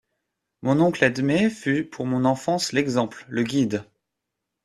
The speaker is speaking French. Mon oncle Edme fut pour mon enfance l'exemple, le guide.